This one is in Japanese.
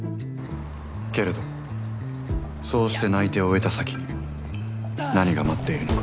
けれどそうして内定を得た先に何が待っているのか。